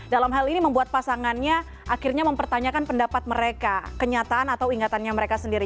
dalam hal ini membuat pasangannya akhirnya mempertanyakan pendapat mereka kenyataan atau ingatannya mereka sendiri